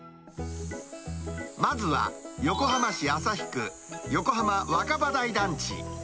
まずは横浜市旭区、横浜若葉台団地。